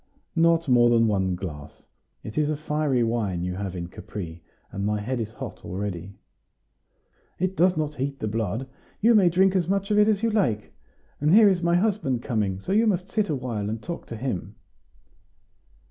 "Not more than one glass; it is a fiery wine you have in Capri, and my head is hot already." "It does not heat the blood; you may drink as much of it as you like. And here is my husband coming; so you must sit a while, and talk to him."